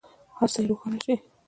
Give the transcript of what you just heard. هر څه یې روښانه شي.